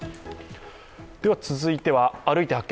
続いては、「歩いて発見！